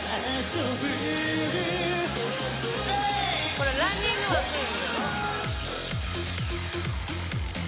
「これランニングマンする」